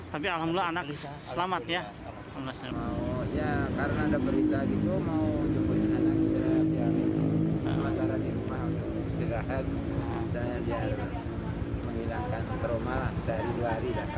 tapi alhamdulillah anak selamat ya